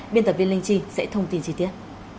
biên tập viên linh chi sẽ thông tin chi tiết